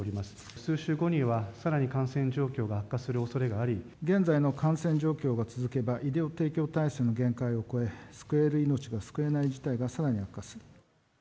数週後には、さらに感染状況が悪現在の感染状況が続けば、医療提供体制の限界を超え、救える命が救えない事態がさらに悪化する。